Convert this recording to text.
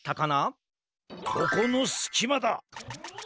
ここのすきまだ！